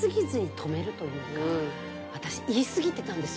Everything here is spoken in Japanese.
私言い過ぎてたんです。